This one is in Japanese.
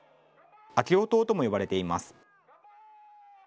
「昭夫党」とも呼ばれています。